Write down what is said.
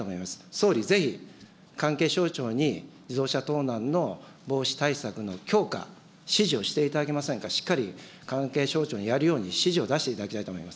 総理ぜひ、関係省庁に自動車盗難の防止対策の強化、指示をしていただけませんか、しっかり関係省庁にやるように指示を出していただきたいと思い